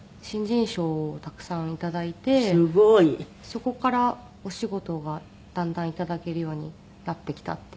そこからお仕事がだんだん頂けるようになってきたっていう感じですかね。